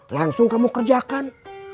langsung kamu kerjakan